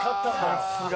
さすが。